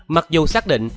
mặc dù xác định